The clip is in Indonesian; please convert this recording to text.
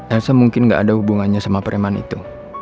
elsa mungkin gak ada hubungannya sama preman itu